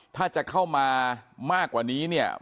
ถ้าจะเข้ามามากกว่านี้